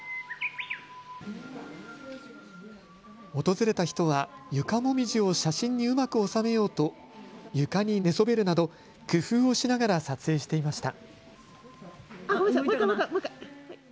訪れた人は床もみじを写真にうまく収めようと床に寝そべるなど工夫をしながら撮影していました。